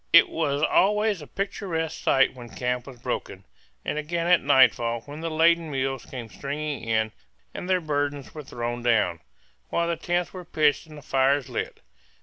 It was always a picturesque sight when camp was broken, and again at nightfall when the laden mules came stringing in and their burdens were thrown down, while the tents were pitched and the fires lit.